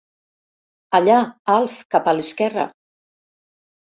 Allà, Alf, cap a l'esquerra!